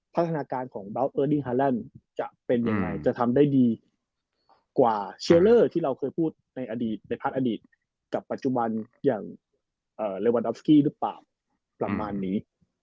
พัฒนาการของเบาเออร์ดี้ฮาแลนด์จะเป็นยังไงจะทำได้ดีกว่าเชียร์เลอร์ที่เราเคยพูดในอดีตในพักอดีตกับปัจจุบันอย่างเรวันออฟสกี้หรือเปล่าประมาณนี้